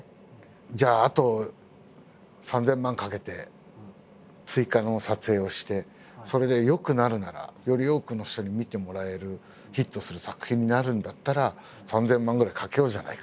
じゃああと３，０００万かけて追加の撮影をしてそれで良くなるならより多くの人に見てもらえるヒットする作品になるんだったら３，０００万ぐらいかけようじゃないかって。